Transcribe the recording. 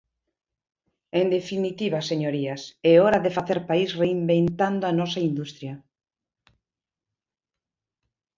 En definitiva, señorías, é hora de facer país reinventando a nosa industria.